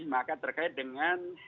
maka terkait dengan